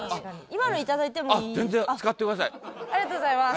ありがとうございます。